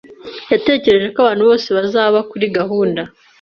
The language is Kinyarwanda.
Yatekereje ko abantu bose bazaba kuri gahunda.